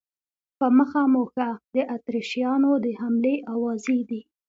په مخه مو ښه، د اتریشیانو د حملې آوازې دي.